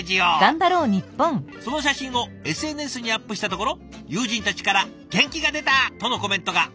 その写真をＳＮＳにアップしたところ友人たちから「元気が出た」とのコメントが。